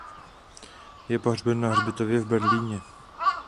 Je pohřben na hřbitově v Berlíně.